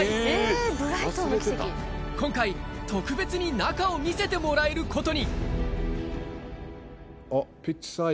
今回特別に中を見せてもらえることにですよね